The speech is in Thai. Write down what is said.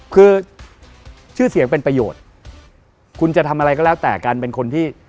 คือชื่อเสียงเป็นประโยชน์คุณจะทำอะไรก็แล้วแต่การเป็นคนที่